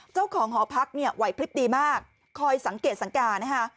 เจ้าของหอพักเนี่ยไหวพลิบดีมากคอยสังเกตสังกานะคะ